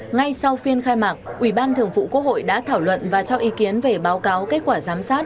ngay sau phiên khai mạc ủy ban thường vụ quốc hội đã thảo luận và cho ý kiến về báo cáo kết quả giám sát